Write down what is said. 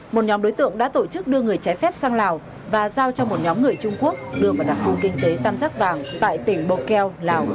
một nhóm đối tượng đã tổ chức đưa người trái phép sang lào và giao cho một nhóm người trung quốc đưa vào đặc khu kinh tế tam giác vàng tại tỉnh bokeo lào